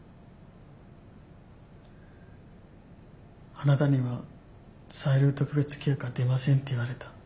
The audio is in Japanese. あなたには在留特別許可出ませんって言われた。